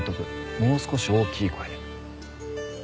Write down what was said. もう少し大きい声で。